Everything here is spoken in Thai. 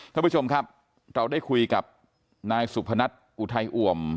ท่านผู้ชมครับเราได้คุยกับนายสุพนัทอุทัยอ่วม